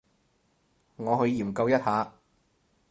我去研究一下